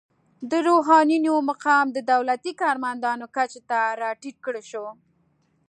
د روحانینو مقام د دولتي کارمندانو کچې ته راټیټ کړل شو.